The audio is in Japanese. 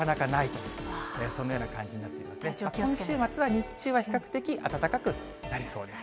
今週末は日中、比較的暖かくなりそうです。